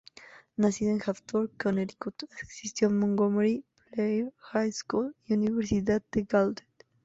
Nacido en Hartford, Connecticut, asistió Montgomery Blair High School y a Universidad Gallaudet.